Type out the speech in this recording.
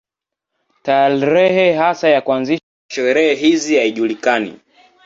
Tarehe hasa ya kuanzishwa kwa sherehe hizi haijulikani.